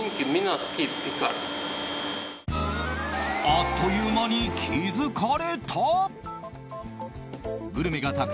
あっという間に気付かれた。